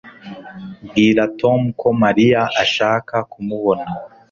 Bwira Tom ko Mariya ashaka kumubona